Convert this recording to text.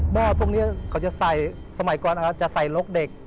ห้อพวกนี้เขาจะใส่สมัยก่อนนะครับจะใส่ลกเด็ก